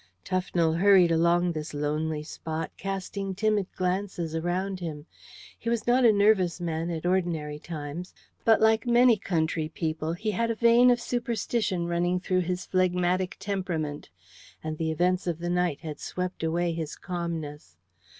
Tufnell hurried along this lonely spot, casting timid glances around him. He was not a nervous man at ordinary times, but like many country people, he had a vein of superstition running through his phlegmatic temperament, and the events of the night had swept away his calmness.